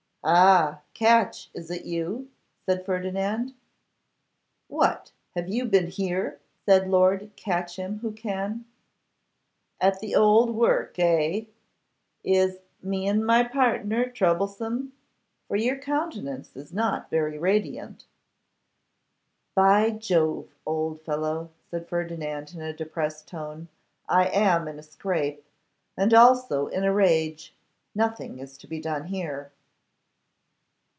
'Ah! Catch, is it you?' said Ferdinand. 'What! have you been here?' said Lord Catchimwhocan. 'At the old work, eh? Is "me and my pardner" troublesome? for your countenance is not very radiant.' 'By Jove, old fellow!' said Ferdinand, in a depressed tone, 'I am in a scrape, and also in a rage. Nothing is to be done here.